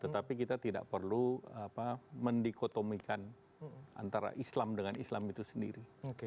tetapi kita tidak perlu mendikotomikan antara islam dengan islam itu sendiri